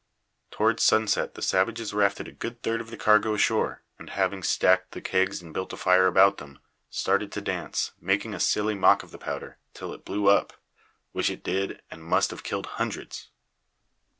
Towards sunset the savages rafted a good third of the cargo ashore, and, having stacked the kegs and built a fire about them, started to dance, making a silly mock of the powder, till it blew up. Which it did, and must have killed hundreds.